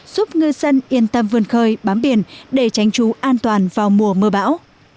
giúp ngư dân yên tâm vươn khơi bám biển để tránh trú an toàn vào mùa mưa bão